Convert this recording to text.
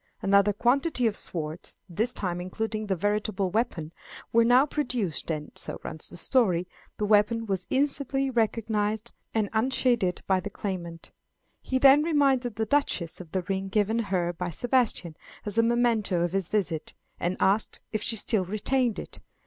Another quantity of swords, this time including the veritable weapon, were now produced, and, so runs the story, the weapon was instantly recognized and unsheathed by the claimant. He then reminded the Duchess of the ring given her by Sebastian as a memento of his visit, and asked if she still retained it.